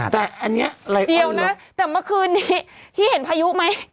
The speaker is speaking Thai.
แต่อันนี้เดี๋ยวนะแต่เมื่อคืนนี้พี่เห็นพายุไหม